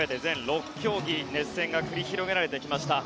６競技熱戦が繰り広げられてきました。